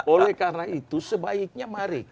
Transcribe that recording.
oleh karena itu sebaiknya mari